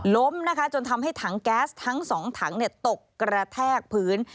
ล้มนะคะจนทำให้ถังแก๊สทั้งสองถังตกกระแทกพื้น